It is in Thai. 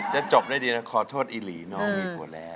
จะจบได้ดีนะขอโทษอีหลีน้องมีผัวแล้ว